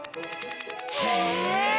へえ！